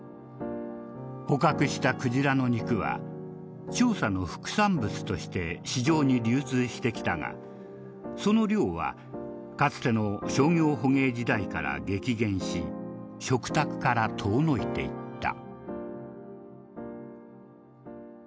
捕獲したクジラの肉は調査の副産物として市場に流通してきたがその量はかつての商業捕鯨時代から激減し食卓から遠のいていった。